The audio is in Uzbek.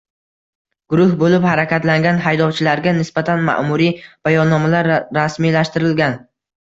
Guruh bo‘lib harakatlangan haydovchilarga nisbatan ma’muriy bayonnomalar rasmiylashtirilgan